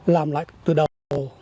làm lại từ đầu